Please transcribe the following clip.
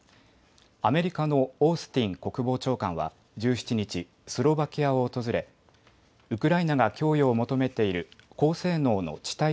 アメリカのオースティン国防長官は１７日、スロバキアを訪れウクライナが供与を求めている高性能の地